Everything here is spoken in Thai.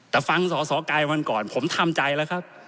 แต่ฟังสอไกมาก่อนผมธรรมใจแล้วครับ